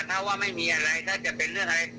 ถ้าว่าไม่มีอะไรถ้าจะเป็นเรื่องอะไร